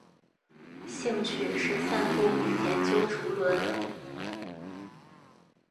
兴趣是散步与研究竹轮。